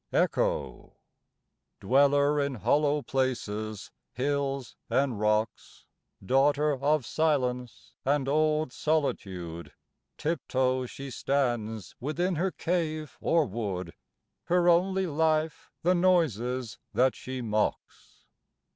ECHO. Dweller in hollow places, hills and rocks, Daughter of Silence and old Solitude, Tip toe she stands within her cave or wood, Her only life the noises that she mocks.